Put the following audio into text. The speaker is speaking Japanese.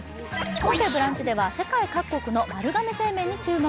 今回「ブランチ」では世界各国の丸亀製麺に注目。